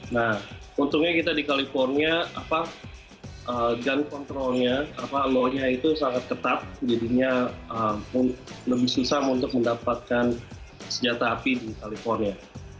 nah untungnya kita di california gun controlnya law nya itu sangat ketat jadinya lebih susah untuk mendapatkan senjata api di california